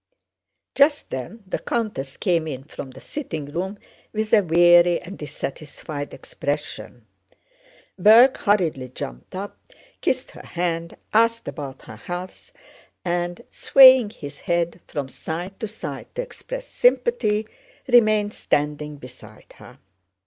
Just then the countess came in from the sitting room with a weary and dissatisfied expression. Berg hurriedly jumped up, kissed her hand, asked about her health, and, swaying his head from side to side to express sympathy, remained standing beside her.